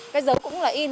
cái dấu cũng là in